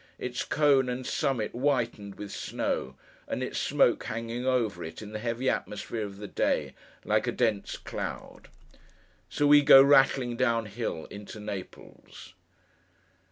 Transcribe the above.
—its cone and summit whitened with snow; and its smoke hanging over it, in the heavy atmosphere of the day, like a dense cloud. So we go, rattling down hill, into Naples.